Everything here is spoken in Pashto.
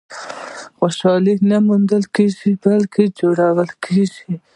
• خوشالي نه موندل کېږي، بلکې جوړه کېږي.